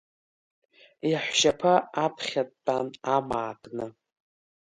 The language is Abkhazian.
Иаҳәшьаԥа аԥхьа дтәан, амаа кны.